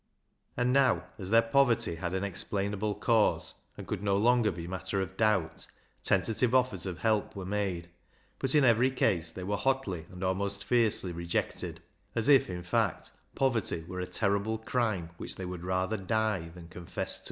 And now, as their poverty had an explainable cause, and could no longer be matter of doubt, tentative offers of help were made, but in every case they were hotly and almost fiercely re jected, as if, in fact, poverty were a tei'rible crime which they would rather die than confess to.